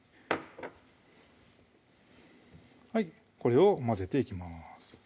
はいこれを混ぜていきます